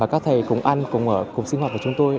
và các thầy cùng ăn cùng ở cùng sinh hoạt với chúng tôi